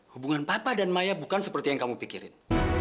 hubungan papa dan maya bukan seperti yang kamu pikirin